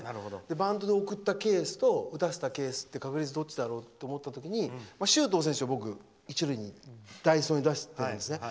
バントで送ったケースと打たせたケースって確率はどっちだろうと考えた時に周東選手は僕一塁に代走に出してたんですね。